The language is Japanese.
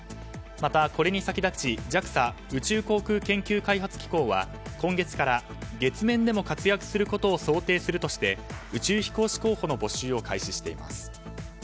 またこれに先立ちＪＡＸＡ・宇宙航空研究開発機構は今月から、月面でも活躍することを想定するとして宇宙飛行士候補の募集を開始しています。